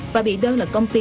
và bị đơn là công ty